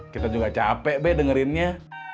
kita juga capek deh dengerinnya